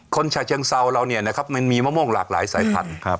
คนชาเชิงเซาเรามันมีมะม่วงหลากหลายสายพันธุ์